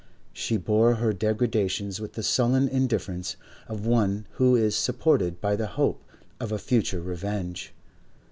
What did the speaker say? She bore her degradations with the sullen indifference of one who is supported by the hope of a future revenge.